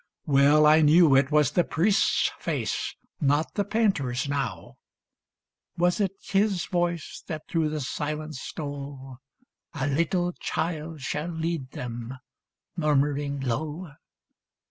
Well I knew It was the priest's face, not the painter's, now ! Was it his voice that through the silence stole, " A little child shall lead them," murmuring low